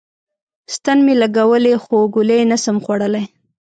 ستن می لګولی خو ګولی نسم خوړلای